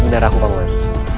biar aku panggil